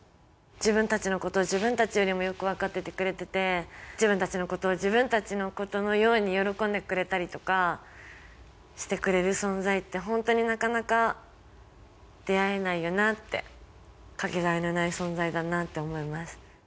自分たちのことを自分たちよりもよく分かってくれてて自分たちのことを自分たちのことのように喜んでくれたりとかしてくれる存在ってホントになかなか出会えないよなってかけがえのない存在だなと思います